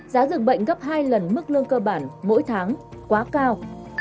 giá dường bệnh gấp hai lần mức lương cơ bản mỗi tháng quá cao